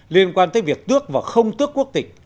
liên quan tới việc tước và không tước quốc tịch